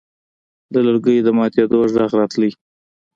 د لرګو د ماتېدو غږ راته.